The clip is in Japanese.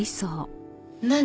何？